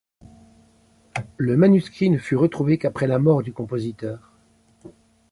Le manuscrit ne fut retrouvé qu'après la mort du compositeur.